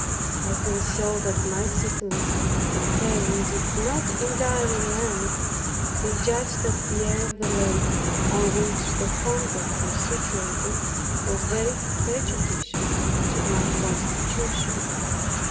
As they saw that my sickness and pain did not entirely end, they judged that the air of the lake on which the convent was situated, was very prejudicial to my constitution.